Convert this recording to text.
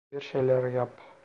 Birşeyler yap!